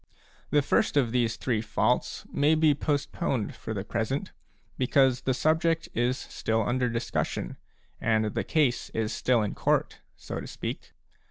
The first of these three faults a may be postponed for the present, because the subject is under discus sion and the case is still in court, so to speak.